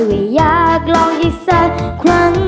อยากลองอีกสักครั้ง